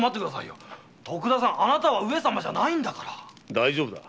大丈夫だ。